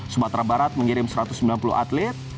sumatera barat mengirim satu ratus sembilan puluh atlet